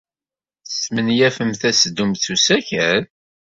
Tesmenyafemt ad teddumt s usakal?